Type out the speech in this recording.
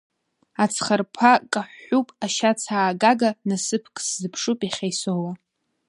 Ацхарпа каҳәҳәуп, ашьац аагага, насыԥк сзыԥшуп иахьа исоуа.